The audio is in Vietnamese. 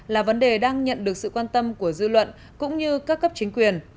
là vấn đề đang nhận được sự quan tâm của dư luận cũng như các cấp chính quyền